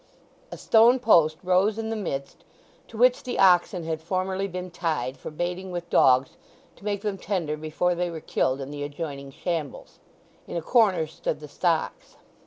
A stone post rose in the midst, to which the oxen had formerly been tied for baiting with dogs to make them tender before they were killed in the adjoining shambles. In a corner stood the stocks.